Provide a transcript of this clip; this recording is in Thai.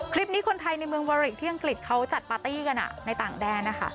คลิปนี้คนไทยในเมืองวาริกที่อังกฤษเขาจัดปาร์ตี้กันในต่างแดนนะคะ